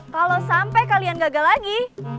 kalau sampai kalian gagal lagi